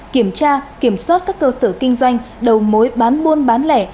kiểm tra kiểm soát các cơ sở kinh doanh đầu mối bán buôn bán lẻ